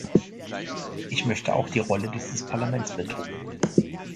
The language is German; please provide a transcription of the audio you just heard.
Ich möchte auch die Rolle dieses Parlaments betonen.